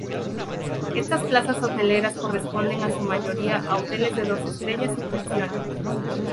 Estas plazas hoteleras corresponden en su mayoría a hoteles de dos estrellas y pensiones.